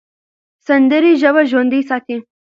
سندرې ژبه ژوندۍ ساتي.